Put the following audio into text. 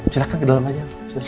silahkan ke dalam aja